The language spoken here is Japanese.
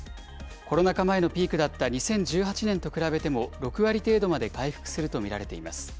コロナ禍前のピークだった２０１８年と比べても、６割程度まで回復すると見られています。